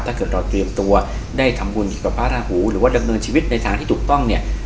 ถ้าเกิดเราเตรียมตัวได้ทำบุญอยู่กับพระราหูหรือว่าดำเนินชีวิตในทางที่ถูกต้องเนี่ย